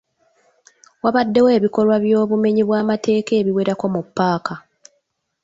Wabaddewo ebikolwa eby'obumenyi bw'amateeka ebiwerako mu ppaaka.